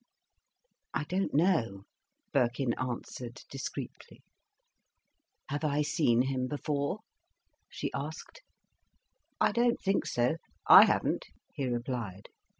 "I don't know," Birkin answered discreetly. "Have I seen him before?" she asked. "I don't think so. I haven't," he replied.